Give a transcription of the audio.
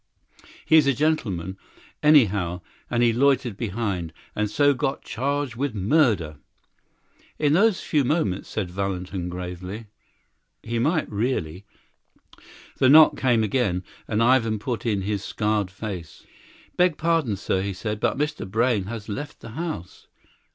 He is a gentleman, anyhow; and he loitered behind and so got charged with murder." "In those few moments," said Valentin gravely, "he might really " The knock came again, and Ivan put in his scarred face. "Beg pardon, sir," he said, "but Mr. Brayne has left the house."